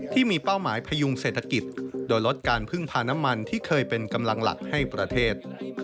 ที่มีเป้าหมายพยุงเศรษฐกิจโดยลดการพึ่งพาน้ำมันที่เคยเป็นกำลังหลักให้ประเทศ